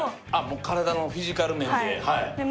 もう体のフィジカル面で？